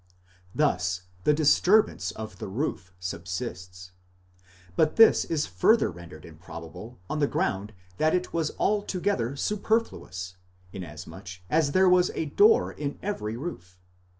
Thus the disturbance of the roof subsists, but this is further rendered improbable on the ground that it was altogether superfluous, inasmuch as there was a door in every roof.